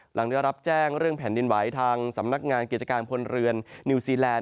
หลังได้รับแจ้งเรื่องแผ่นดินไหวทางสำนักงานกิจการพลเรือนนิวซีแลนด